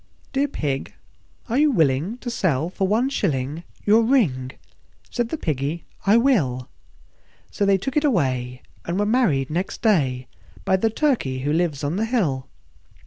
III. "Dear Pig, are you willing to sell for one shilling Your ring?" Said the Piggy, "I will." So they took it away, and were married next day By the Turkey who lives on the hill.